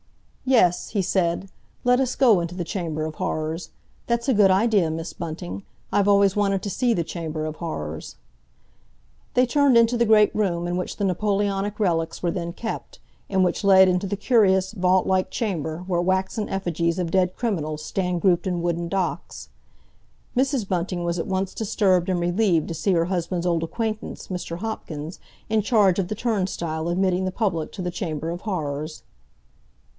"Yes," he said, "let us go into the Chamber of Horrors; that's a good idea, Miss Bunting. I've always wanted to see the Chamber of Horrors." They turned into the great room in which the Napoleonic relics were then kept, and which led into the curious, vault like chamber where waxen effigies of dead criminals stand grouped in wooden docks. Mrs. Bunting was at once disturbed and relieved to see her husband's old acquaintance, Mr. Hopkins, in charge of the turnstile admitting the public to the Chamber of Horrors.